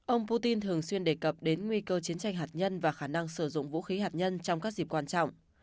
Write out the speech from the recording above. ông putin thường xuyên đề cập đến nguy cơ chiến tranh hạt nhân và khả năng sử dụng vũ khí hạt nhân trong các dịp quan trọng